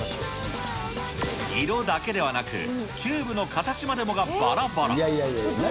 色だけではなく、キューブの形までもがばらばら。